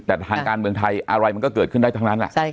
แต่ทางการเมืองไทยอะไรมันก็เกิดขึ้นได้ทั้งนั้น